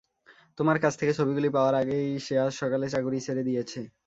তোমার কাছ থেকে ছবিগুলি পাওয়ার আগেই, সে আজ সকালে চাকরি ছেড়ে দিয়েছে।